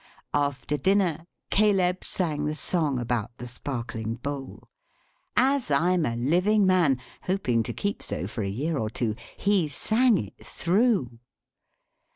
After dinner, Caleb sang the song about the Sparkling Bowl! As I'm a living man: hoping to keep so, for a year or two: he sang it through.